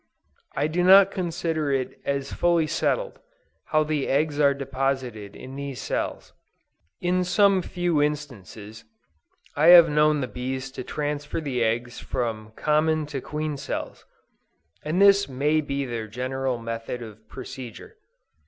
I do not consider it as fully settled, how the eggs are deposited in these cells. In some few instances, I have known the bees to transfer the eggs from common to queen cells, and this may be their general method of procedure.